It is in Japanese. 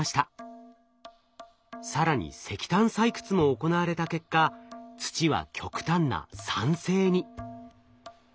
更に石炭採掘も行われた結果土は極端な酸性に。